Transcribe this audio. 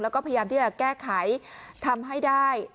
แล้วก็พยายามที่จะแก้ไขทำให้ได้